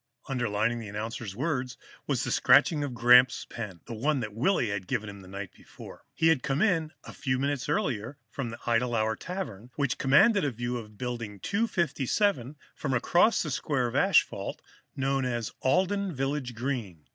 Underlining the announcer's words was the scratching of Gramps' pen, the one Willy had given him the night before. He had come in, a few minutes earlier, from the Idle Hour Tavern, which commanded a view of Building 257 from across the square of asphalt known as the Alden Village Green.